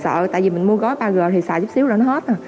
sợ tại vì mình mua gói ba g thì xài chút xíu là nó hết